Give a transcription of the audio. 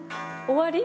終わり？